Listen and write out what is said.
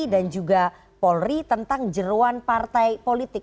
juga polri tentang jeruan partai politik